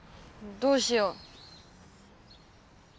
どうしよう。